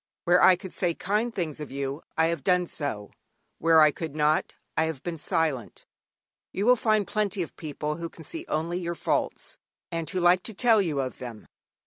Where I could say kind things of you I have done so, where I could not I have been silent. You will find plenty of people who can see only your faults, and who like to tell you of them.